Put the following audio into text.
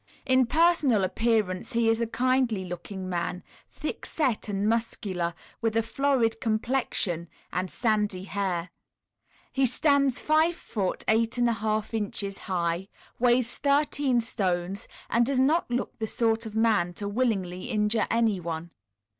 In personal appearance he is a kindly looking man, thickset and muscular, with a florid complexion and sandy hair. He stands 5ft. 8½in. high, weighs 13 stones, and does not look the sort of man to willingly injure anyone.